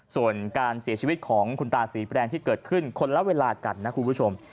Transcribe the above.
ส่วนการเสียชีวิตของคุณตาศรีแปลงที่เกิดขึ้นคนละเวลากันนะคุณผู้ชม